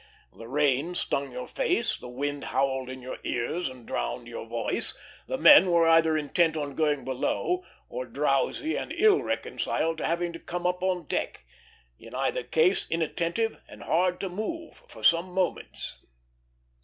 The rain stung your face; the wind howled in your ears and drowned your voice; the men were either intent on going below, or drowsy and ill reconciled to having to come on deck; in either case inattentive and hard to move for some moments.